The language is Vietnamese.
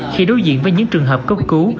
khi đối diện với những trường hợp cấp cứu